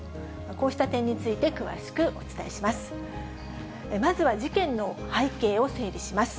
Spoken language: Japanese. こうした点について詳しくお伝えします。